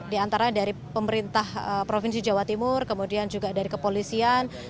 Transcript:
diantaranya dari pemerintah provinsi jawa timur kemudian dari kepolisian